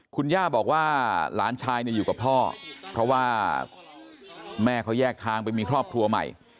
คุณย่าบอกว่าหลานชายอยู่กับพ่อเพราะว่าแม่เขาแยกทางไปมีครอบครัวใหม่